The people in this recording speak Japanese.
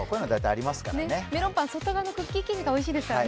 メロンパン、外側のクッキー生地がおいしいですからね。